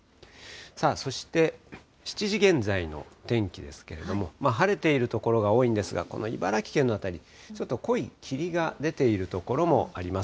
そして、７時現在の天気ですけれども、晴れている所が多いんですが、この茨城県の辺り、ちょっと濃い霧が出ている所もあります。